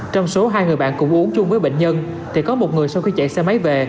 trong số hai người bạn cùng uống chung với bệnh nhân thì có một người sau khi chạy xe máy về